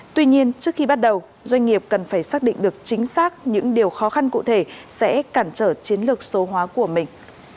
tuy nhiên trước khi bắt đầu doanh nghiệp cần phải xác định được chính xác những điều khó khăn cụ thể sẽ cản trở chiến lược số hóa của mình